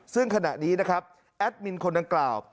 ซึ่งขณะนี้นะครับแอดมินคนดังกล่าว